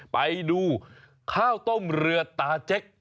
ไปดูข้าวต้มเรือตาเจ๊ก